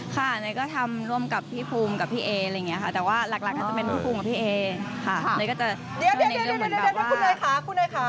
ค่ะน้อยก็ทำร่วมกับพี่ภูมิกับพี่เอ๋อะไรอย่างนี้ค่ะ